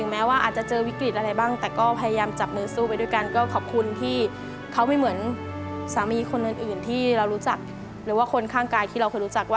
แล้วคุณมัตต์แรงนี้เป็นไงค่ะ